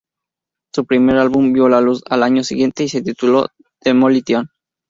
Su primer álbum vio la luz al año siguiente, y se tituló "Demolition".